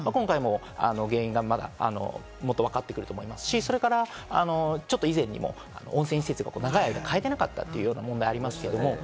今回の原因がもっとわかってくると思いますし、それからちょっと以前にも温泉施設が長い間かえてなかったという問題がありました。